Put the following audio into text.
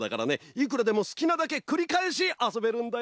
いくらでもすきなだけくりかえしあそべるんだよ！